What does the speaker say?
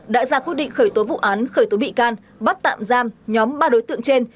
đã ra quyết định khởi tố vụ án khởi tố bị can bắt tạm giam nhóm ba đối tượng trên